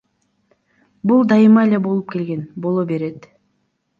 Бул дайыма эле болуп келген, боло берет.